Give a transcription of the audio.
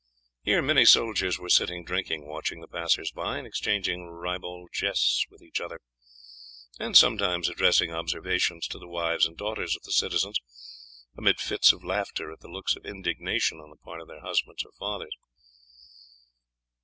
Here many soldiers were sitting drinking, watching the passers by, and exchanging ribald jests with each other, and sometimes addressing observations to the wives and daughters of the citizens, amid fits of laughter at the looks of indignation on the part of their husbands or fathers.